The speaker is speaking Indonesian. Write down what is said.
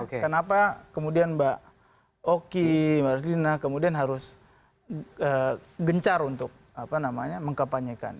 kenapa kemudian mbak oki mas dina kemudian harus gencar untuk mengkapanyekan